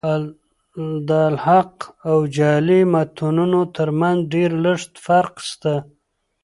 د الحاق او جعلي متونو ترمتځ ډېر لږ فرق سته.